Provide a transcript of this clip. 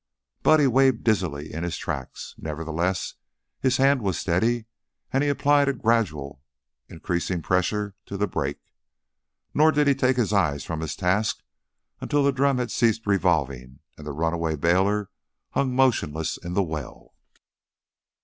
Buddy weaved dizzily in his tracks; nevertheless, his hand was steady, and he applied a gradually increasing pressure to the brake. Nor did he take his eyes from his task until the drum had ceased revolving and the runaway bailer hung motionless in the well.